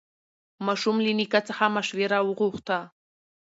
ماشوم له نیکه څخه مشوره وغوښته